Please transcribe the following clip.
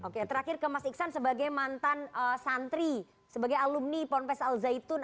oke terakhir ke mas iksan sebagai mantan santri sebagai alumni pompes al zaitun